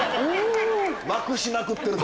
まくしまくってると？